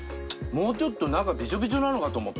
もうちょっと中ビチョビチョなのかと思った。